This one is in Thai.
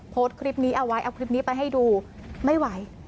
โพสต์คลิปนี้เอาไว้เอาคลิปนี้ไปให้ดูไม่ไหว